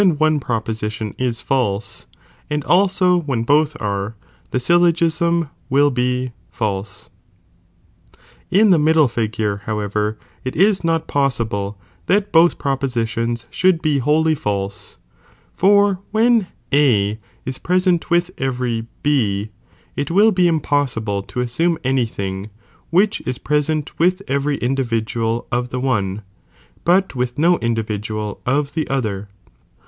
ihEran proposition is false, and also when both are, the fiS'o!'" ""*" syllogism will be false. IT In the middle figure, however, it is not possible 1, Middle fig. ^^^^ j^^jjj propositions should be whoUy false, for when A is present with every B, it will be impossible to assiune • Any iBnn ^'^7 thing,* which is present with every individual + wiihevttT of the one, but with no individual of the other